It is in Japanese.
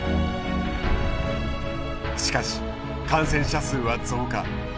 しかし感染者数は増加。